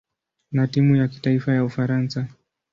na timu ya kitaifa ya Ufaransa.